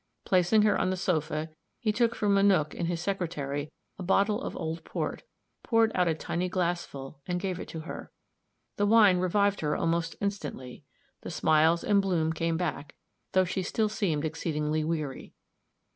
Placing her on the sofa, he took from a nook in his secretary a bottle of old port, poured out a tiny glassful, and gave to her. The wine revived her almost instantly; the smiles and bloom came back, though she still seemed exceedingly weary.